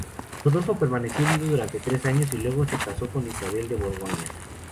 Rodolfo permaneció viudo durante tres años y luego se casó con Isabel de Borgoña.